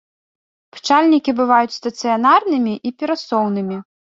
Пчальнікі бываюць стацыянарнымі і перасоўнымі.